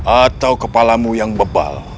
atau kepalamu yang bebal